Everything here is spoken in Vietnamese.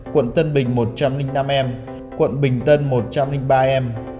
quận tân bình một trăm linh năm em quận bình tân một trăm linh ba em